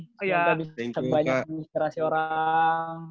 semoga bisa cek banyak sih kerasi orang